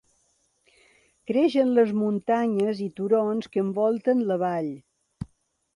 Creix en les muntanyes i turons que envolten la vall.